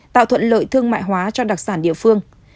tạo thuận lợi thương mại hóa cho đặc sản địa phương